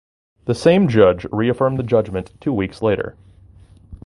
The same judge reaffirmed the judgment two weeks later.